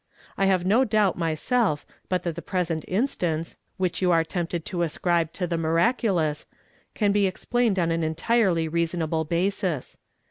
I have no doubt, myself, but that the present instance, which you are tempted to ascribe to the miraculous, an be explained on an entirely rea sonable basis.